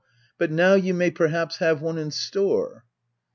But now you may perhaps have one in store.